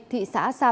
thị xã sapa